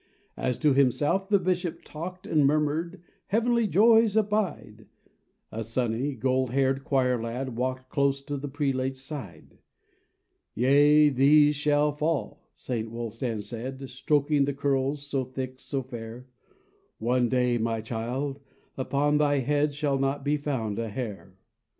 '' As to himself the Bishop talked And murmured, "Heavenly joys abide!" — A sunny, gold haired choir lad walked Close to the prelate's side. "Yea, these shall fall," St. Wulstan said Stroking the curls so thick, so fair: "One day, my child, upon thy head Shall not be found a hair."